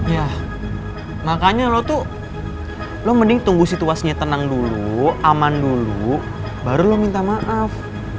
ya makanya lo tuh lo mending tunggu situasinya tenang dulu aman dulu baru lo minta maaf